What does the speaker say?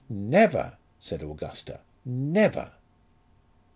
"Never!" said Augusta. "Never!"